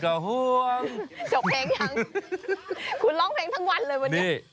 ห่วงจบเพลงยังคุณร้องเพลงทั้งวันเลยวันนี้